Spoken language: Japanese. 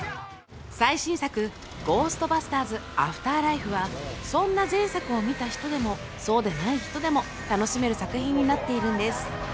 最新作「ゴーストバスターズ／アフターライフ」はそんな前作を見た人でもそうでない人でも楽しめる作品になっているんです